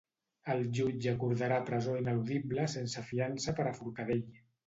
El jutge acordarà presó ineludible sense fiança per a Forcadell.